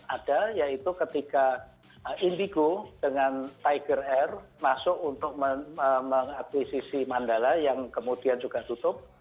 ada yaitu ketika indigo dengan tiger air masuk untuk mengakuisisi mandala yang kemudian juga tutup